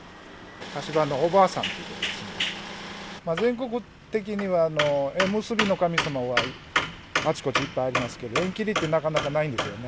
全国的には縁結びの神様はあちこちいっぱいありますけど縁切りってなかなかないんですよね。